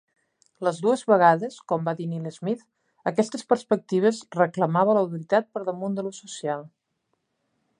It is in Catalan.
Les dues vegades, com va dir Neil Smith, aquestes perspectives "reclamava l"autoritat per damunt de lo social".